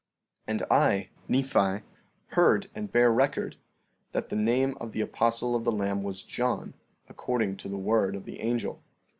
14:27 And I, Nephi, heard and bear record, that the name of the apostle of the Lamb was John, according to the word of the angel.